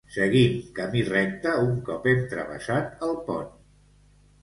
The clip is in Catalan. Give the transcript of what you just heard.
Seguim camí recte un cop hem travessat el pont.